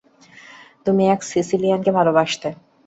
তুমি এক সিসিলিয়ানকে ভালবাসতে।